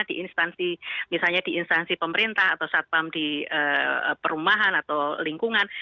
di instansi misalnya di instansi pemerintah atau satpam di perumahan atau lingkungan